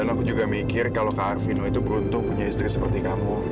dan aku juga mikir kalau kak arvino itu beruntung punya istri seperti kamu